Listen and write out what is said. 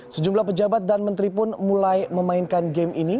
sejumlah pejabat dan menteri pun mulai memainkan game ini